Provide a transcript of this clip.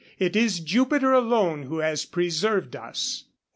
It is Jupiter alone who has preserved us.